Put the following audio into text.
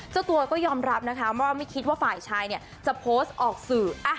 เจ้าตัวก็ยอมรับนะคะว่าไม่คิดว่าฝ่ายชายจะโพสต์ออกสื่อ